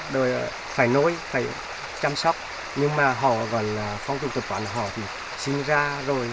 rồi phải nối phải chăm sóc nhưng mà họ còn là phong trình tập quản họ thì sinh ra rồi